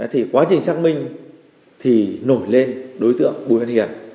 thì quá trình xác minh thì nổi lên đối tượng bùi văn hiền